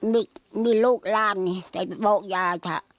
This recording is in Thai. มีมีลูกราบนี่แต่บอกยายค่ะ